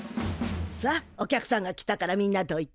さあお客さんが来たからみんなどいて。